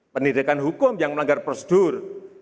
pendidikan hukum yang melanggar prosedur